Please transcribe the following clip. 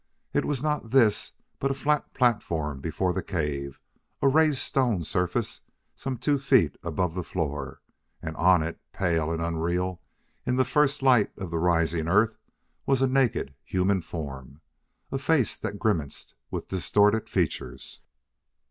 It was not this but a flat platform before the cave, a raised stone surface some two feet above the floor. And on it, pale and unreal in the first light of the rising Earth was a naked, human form a face that grimaced with distorted features.